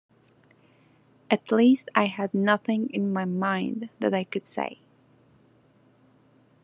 At least I had nothing in my mind that I could say.